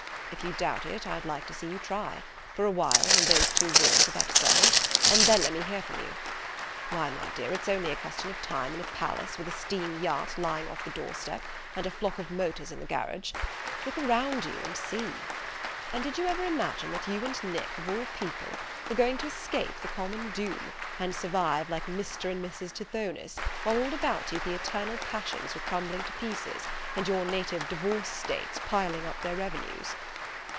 If you doubt it, I'd like to see you try, for a while, in those two rooms without a servant; and then let me hear from you. Why, my dear, it's only a question of time in a palace, with a steam yacht lying off the door step, and a flock of motors in the garage; look around you and see. And did you ever imagine that you and Nick, of all people, were going to escape the common doom, and survive like Mr. and Mrs. Tithonus, while all about you the eternal passions were crumbling to pieces, and your native Divorce states piling up their revenues?"